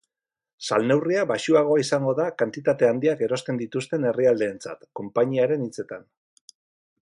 Salneurria baxuagoa izango da kantitate handiak erosten dituzten herrialdeentzat, konpainiaren hitzetan.